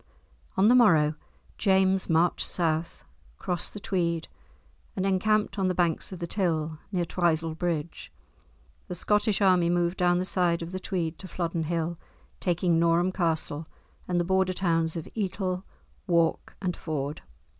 On the morrow, James marched south, crossed the Tweed, and encamped on the banks of the Till, near Twisel Bridge. The Scottish army moved down the side of the Tweed to Flodden Hill taking Norham Castle, and the Border towns of Etal, Wark, and Ford.